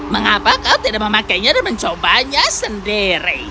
mengapa kau tidak memakainya dan mencobanya sendiri